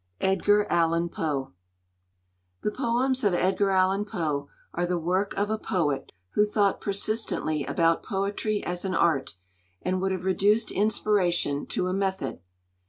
EDGAR ALLAN POE The poems of Edgar Allan Poe are the work of a poet who thought persistently about poetry as an art, and would have reduced inspiration to a method.